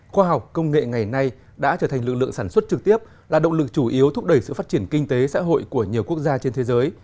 khoa học công nghệ ngày nay đã trở thành lực lượng sản xuất trực tiếp là động lực chủ yếu thúc đẩy sự phát triển kinh tế xã hội của nhiều quốc gia trên thế giới